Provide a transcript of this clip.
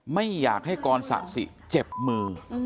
ไม่อยากให้กรสะสิเจ็บมือ